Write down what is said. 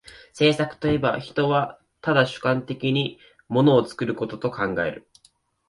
製作といえば、人は唯主観的に物を作ることと考える。